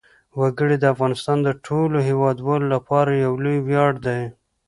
وګړي د افغانستان د ټولو هیوادوالو لپاره یو لوی ویاړ دی.